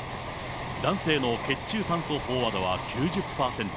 男性の血中酸素飽和度は９０％。